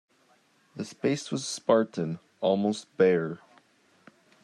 The space was spartan, almost bare.